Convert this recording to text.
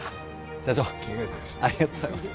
社長ありがとうございます